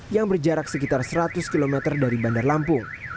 yang berjarak sekitar seratus km dari bandar lampung